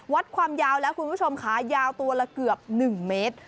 วัดความยาวแล้วคุณผู้ชมค่ะยาวตัวละเกือบ๑เมตร